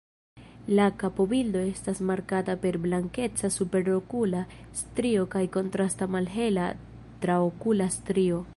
La kapobildo estas markata per blankeca superokula strio kaj kontrasta malhela traokula strio.